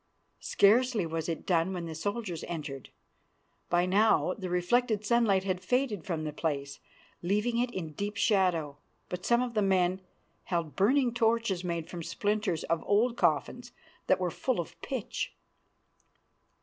Scarcely was it done when the soldiers entered. By now the reflected sunlight had faded from the place, leaving it in deep shadow; but some of the men held burning torches made from splinters of old coffins, that were full of pitch.